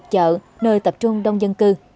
các chợ nơi tập trung đông dân cư